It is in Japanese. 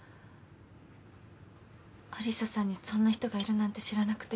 有沙さんにそんな人がいるなんて知らなくて。